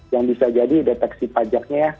yang bisa jadi deteksi pajaknya